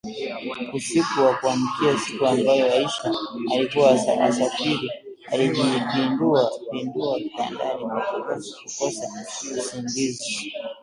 Usiku wa kuamkia siku ambayo Aisha alikuwa asafiri, alijipindua pindua kitandani kwa kukosa usingizi